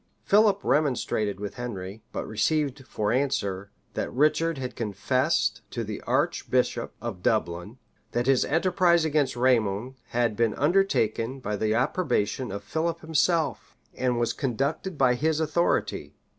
Philip remonstrated with Henry; but received for answer, that Richard had confessed to the archbishop of Dublin, that his enterprise against Raymond had been undertaken by the approbation of Philip himself, and was conducted by his authority.